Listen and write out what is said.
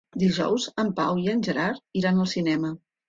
Dijous en Pau i en Gerard iran al cinema.